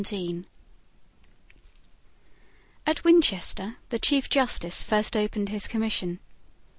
At Winchester the Chief Justice first opened his commission.